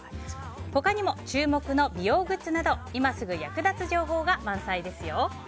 他にも注目の美容グッズなど今すぐ役立つ情報が満載ですよ。